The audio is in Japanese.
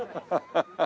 ハハハハ。